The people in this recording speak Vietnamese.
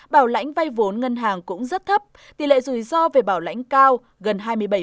bảo lãnh vay vốn ngân hàng cũng rất thấp tỷ lệ rủi ro về bảo lãnh cao gần hai mươi bảy